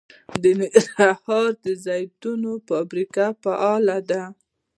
د ننګرهار د زیتون فابریکه فعاله ده.